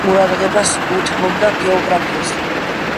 დიდ ყურადღებას უთმობდა გეოგრაფიას.